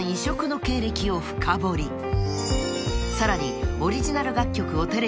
［さらに］